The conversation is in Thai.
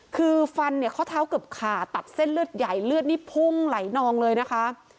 คือฟันเนี่ยข้อเท้าเกือบขาดตัดเส้นเลือดใหญ่เลือดนี่พุ่งไหลนองเลยนะคะ